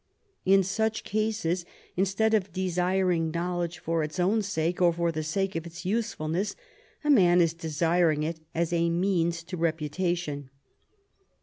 In such cases, instead of desiring knowledge for its own sake, or for the sake of its usefulness, a man is desiring it as a means to reputation.